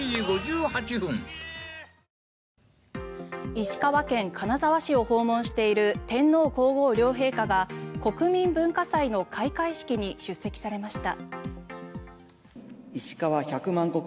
石川県金沢市を訪問している天皇・皇后両陛下が国民文化祭の開会式に出席されました。